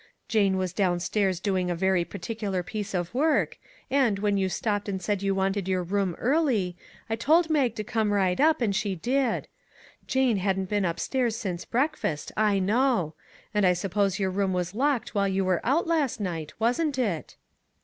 Jane was downstairs doing a very particular piece of work, and, when you stop ped and said you wanted your room early, I 105 MAG AND MARGARET told Mag to come right up, and she did. Jane hadn't been upstairs since breakfast, I know; and I suppose your room was locked while you were out of it last night, wasn't it